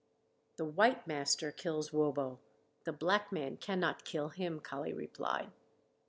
"The white master kills wobo; the black man cannot kill him," Kali replied.